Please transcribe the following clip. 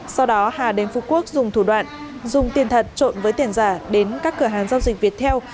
sau đó hà đến phú quốc dùng thủ đoạn dùng tiền thật trộn với tiền giả đến các cửa hàng giao dịch việt theo